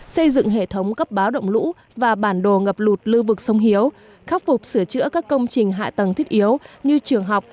xây dựng hệ thống cấp báo động lũ và bản đồ ngập lụt lưu vực sông hiếu khắc phục sửa chữa các công trình hạ tầng thiết yếu như trường học